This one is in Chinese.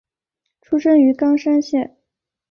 出身于冈山县。